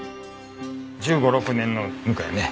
１５１６年のぬかやね。